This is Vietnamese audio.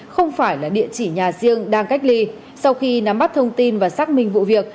không phải là địa chỉ nhà riêng đang cách ly sau khi nắm bắt thông tin và xác minh vụ việc